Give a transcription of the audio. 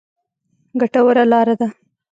ګټوره لاره ده.